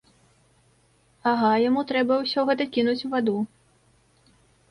Ага, яму трэба ўсё гэта кінуць у ваду.